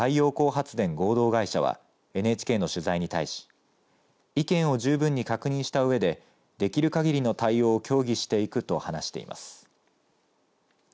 発電合同会社はＮＨＫの取材に対し意見を十分に確認したうえでできるかぎりの対応を協議していくと話しています。